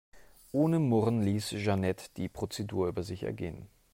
Ohne Murren ließ Jeanette die Prozedur über sich ergehen.